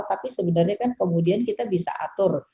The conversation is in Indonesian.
tapi sebenarnya kan kemudian kita bisa atur